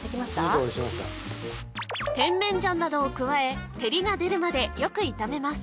いい香りしましたテンメンジャンなどを加え照りが出るまでよく炒めます